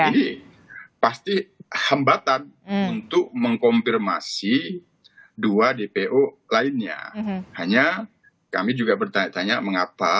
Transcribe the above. ini pasti hambatan untuk mengkomplikasikan